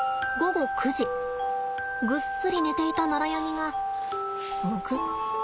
ぐっすり寝ていたナラヤニがむくっ。